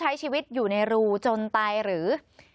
ใช้ชีวิตอยู่ในรูจนตายหรือ